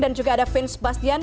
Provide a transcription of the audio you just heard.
dan juga ada vince sebastian